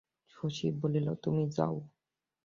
শশী বলিল, তুমি যাও।